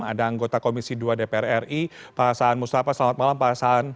ada anggota komisi dua dpr ri pak hasan mustafa selamat malam pak hasan